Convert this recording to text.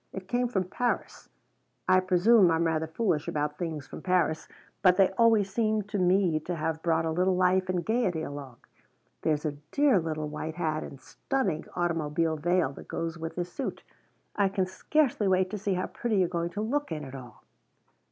It came from Paris. I presume I'm rather foolish about things from Paris, but they always seem to me to have brought a little life and gayety along. There's a dear little white hat and stunning automobile veil goes with this suit. I can scarcely wait to see how pretty you're going to look in it all."